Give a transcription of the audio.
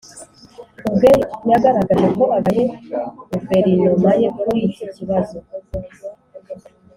ubwe yagaragaje ko agaye guverinoma ye kuri icyi kibazo.